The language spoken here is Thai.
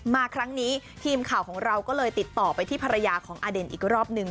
มาครั้งนี้ทีมข่าวของเราก็เลยติดต่อไปที่ภรรยาของอเด่นอีกรอบนึง